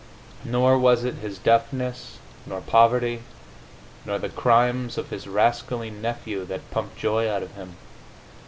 Nor was it his deafness, nor poverty, nor the crimes of his rascally nephew that pumped joy out of him.